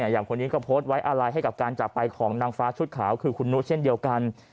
อย่างคนนี้ก็โพสต์ไว้อะไรให้กับการจากไปของนางฟ้าชุดขาวคือคุณนุเช่นเดียวกัน